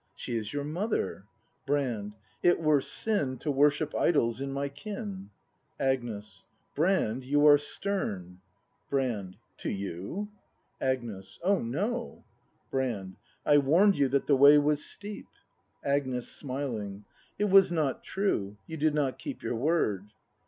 She is vour mother! Brand. It were sin To worship idols in my kin. Agnes. Brand, you are stern! Brand. To you ? Agnes. Oh no! Brand. I warn'd you that the way was steep. Agnes. [Smiling.] It was not true; you did not keep Your word.